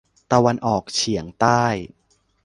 ตะวันออกเฉียงใต้